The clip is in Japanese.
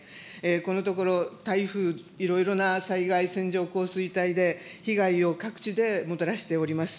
このところ、台風、いろいろな災害、線状降水帯で被害を各地でもたらしております。